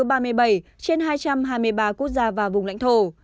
trên hai trăm hai mươi ba quốc gia và vùng lãnh thổ